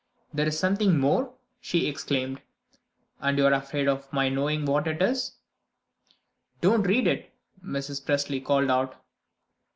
"There is something more!" she exclaimed. "And you are afraid of my knowing what it is." "Don't read it!" Mrs. Presty called out.